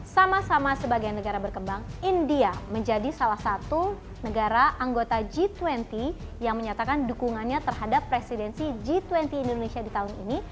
sama sama sebagai negara berkembang india menjadi salah satu negara anggota g dua puluh yang menyatakan dukungannya terhadap presidensi g dua puluh indonesia di tahun ini